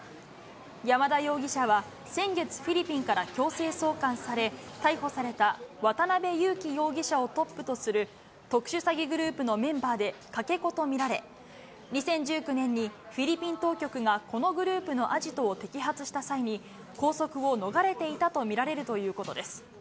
山田容疑者は先月、フィリピンから強制送還され、逮捕された渡辺優樹容疑者をトップとする特殊詐欺グループのメンバーでかけ子と見られ、２０１９年にフィリピン当局がこのグループのアジトを摘発した際に、拘束を逃れていたと見られるということです。